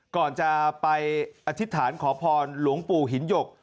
ก่อนจะไปอธิษฐานขอพรหลวงปู่หินหยก